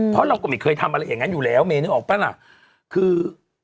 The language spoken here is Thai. เพราะเราก็ไม่เคยทำอะไรอย่างนั้นอยู่แล้วเมนึกออกปะล่ะคือ